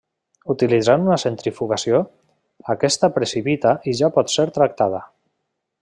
Utilitzant una centrifugació, aquesta precipita i ja pot ser tractada.